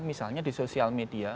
misalnya di sosial media